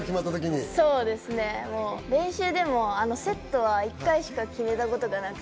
そうですね、練習でもあのセットは１回しか決めたことがなくて。